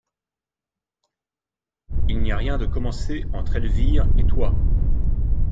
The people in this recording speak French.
Il n'y a rien de commencé entre Elvire et toi.